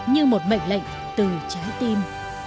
như một mệnh lệnh từ trái tim